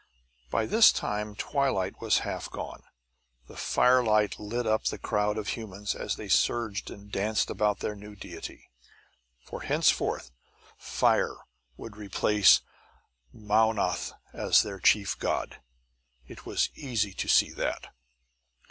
By this time twilight was half gone. The firelight lit up the crowd of humans as they surged and danced about their new deity. For, henceforth, fire would replace Mownoth as their chief god; it was easy to see that.